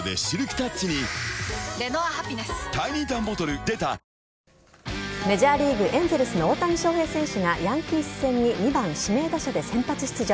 実行犯の男はエレベーターの中でメジャーリーグエンゼルスの大谷翔平選手がヤンキース戦に２番・指名打者で先発出場。